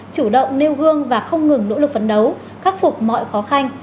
chủ động nêu gương và không ngừng nỗ lực phấn đấu khắc phục mọi khó khăn